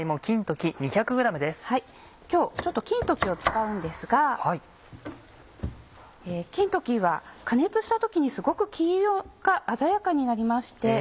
今日金時を使うんですが金時は加熱した時にすごく黄色が鮮やかになりまして。